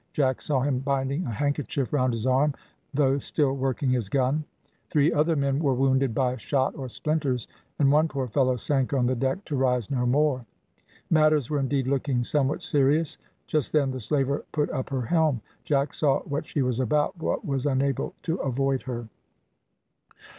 Jack saw him binding a handkerchief round his arm, though still working his gun. Three other men were wounded by shot or splinters, and one poor fellow sank on the deck to rise no more. Matters were indeed looking somewhat serious. Just then the slaver put up her helm; Jack saw what she was about, but was unable to avoid her.